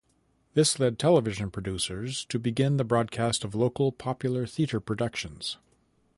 This led television producers to begin the broadcast of local popular theatre productions.